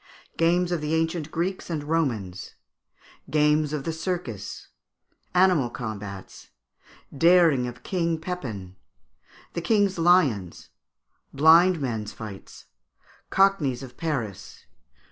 Games of the Ancient Greeks and Romans. Games of the Circus. Animal Combats. Daring of King Pepin. The King's Lions. Blind Men's Fights. Cockneys of Paris.